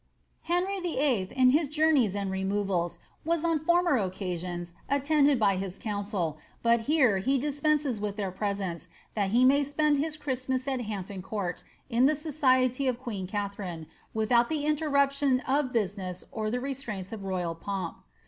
' Henry VIII., in his journeys and removals, was on former occasions attended by his council, but here he dispenses with their presence, that he may spend his Christinas at Hampton Court, in the society of queen Katharine, witliout the interruption of business or the restraints of royil pomp.